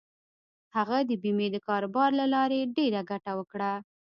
هغه د بېمې د کاروبار له لارې ډېره ګټه وکړه.